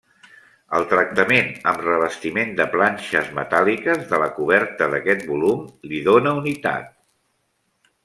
El tractament amb revestiment de planxes metàl·liques de la coberta d'aquest volum li dóna unitat.